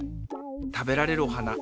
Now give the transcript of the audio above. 食べられるお花